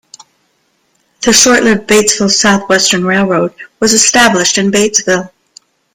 The short-lived Batesville Southwestern Railroad was established in Batesville.